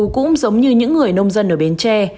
cũng giống như những người nông dân ở bến tre